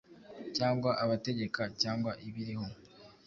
cyangwa abategeka, cyangwa ibiriho,